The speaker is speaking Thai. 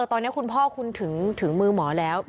ตอนนี้คุณพ่อคุณถึงมือหมอแล้ว